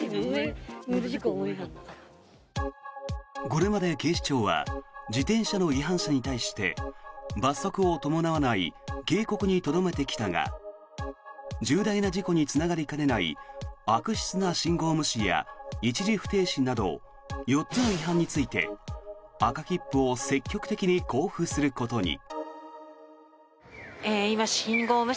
これまで警視庁は自転車の違反者に対して罰則を伴わない警告にとどめてきたが重大な事故につながりかねない悪質な信号無視や一時不停止など４つの違反について、赤切符を積極的に交付することに。